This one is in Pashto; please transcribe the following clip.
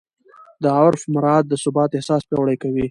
د عرف مراعات د ثبات احساس پیاوړی کوي.